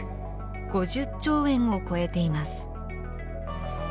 ５０兆円を超えています。